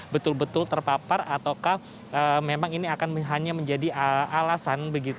betul betul terpapar ataukah memang ini akan hanya menjadi alasan